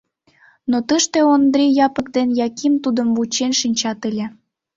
Но тыште Ондри Япык ден Яким тудым вучен шинчат ыле.